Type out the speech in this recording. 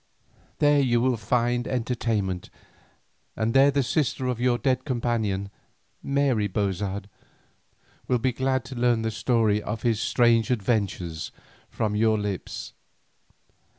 There you will find entertainment, and there the sister of your dead companion, Mary Bozard, will be glad to learn the story of his strange adventures from your lips."